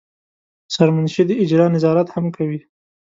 سرمنشي د اجرا نظارت هم کوي.